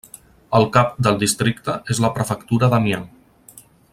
El cap del districte és la prefectura d'Amiens.